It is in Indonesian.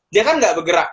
dia kan gak bergerak